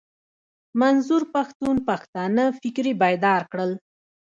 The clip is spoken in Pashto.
منظور پښتون پښتانه فکري بيدار کړل.